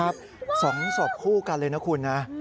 ปล่อยตื่น